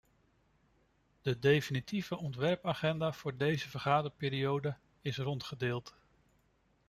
De definitieve ontwerpagenda voor deze vergaderperiode is rondgedeeld.